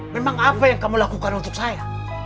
memang apa yang kamu lakukan untuk saya